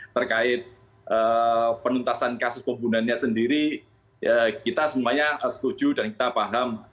terkait penuntasan kasus pembunuhannya sendiri kita semuanya setuju dan kita paham